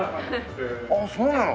ああそうなの？